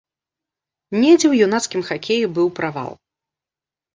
Недзе ў юнацкім хакеі быў правал.